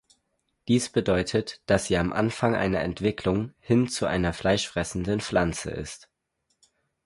Dies bedeutet, dass sie am Anfang einer Entwicklung hin zu einer fleischfressenden Pflanze ist.